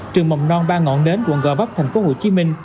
trường mầm non ba ngọn đến quận gò vấp tp hcm